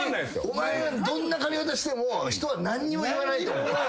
お前がどんな髪形しても人は何にも言わないと思う。